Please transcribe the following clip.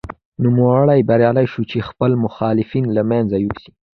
نوموړی بریالی شو چې خپل مخالفین له منځه یوسي.